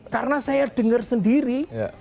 karena saya dengar sendiri